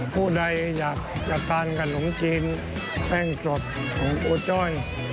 ผู้ใดอยากจะทานขนมจีนแป้งสดของโกจ้อย